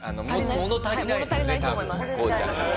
物足りないと思います。